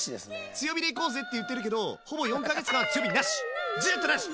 強火で行こうぜって言ってるけどほぼ４か月間ずっとなし！